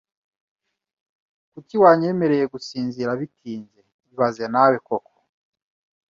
Kuki wanyemereye gusinzira bitinze ibaze nawe koko